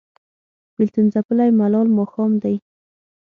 بیلتون ځپلی ملال ماښام دی